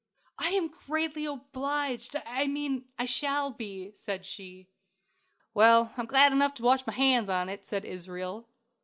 "I am greatly obliged I mean, I shall be," said she. "Well, I'm glad enough to wash my hands on 't," said Israel.